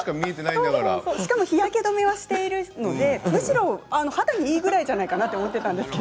しかも日焼け止めがしているからむしろ肌にいいじゃないかなと思っていましたが。